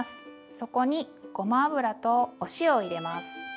そこにごま油とお塩を入れます。